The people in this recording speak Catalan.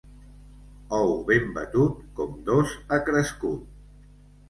Ou ben batut com dos ha crescut.